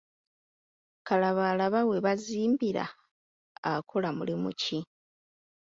Kalabalaba we bazimbira akola mulimu ki?